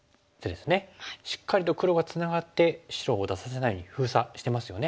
しっかりと黒がつながって白を出させないように封鎖してますよね。